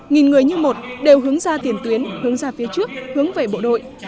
nghìn người như một đều hướng ra tiền tuyến hướng ra phía trước hướng về bộ đội